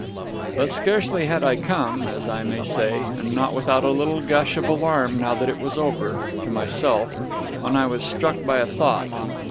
But scarcely had I come, as I may say (and not without a little gush of alarm now that it was over), to myself, when I was struck by a thought.